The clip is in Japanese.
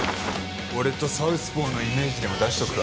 俺とサウスポーのイメージでも出しとくか。